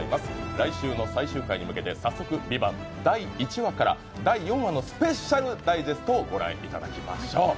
来週の最終回に向けて、早速「ＶＩＶＡＮＴ」第１話から第４話のスペシャルダイジェストをご覧いただきましょう。